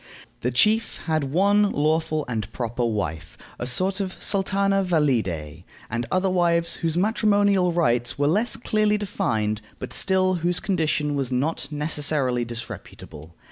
The chief had one lawful and proper wife, a sort of sultana valide, and other wives whose matrimonial rights were less clearly defined, but still whose condition was not necessarily disreputable.